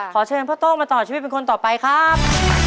ขอเชิญพ่อโต้มาต่อชีวิตเป็นคนต่อไปครับ